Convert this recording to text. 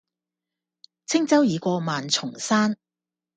輕舟已過萬重山